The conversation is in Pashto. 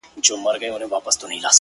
• دا لکه ماسوم ته چي پېښې کوې ـ